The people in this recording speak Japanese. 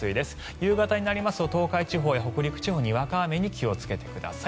夕方になりますと東海地方、北陸地方はにわか雨に気をつけてください。